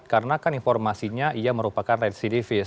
karena kan informasinya ia merupakan residivis